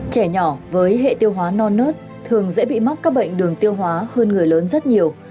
trẻ nhỏ với hệ tiêu hóa non nớt thường dễ bị mắc các bệnh đường tiêu hóa hơn người lớn rất nhiều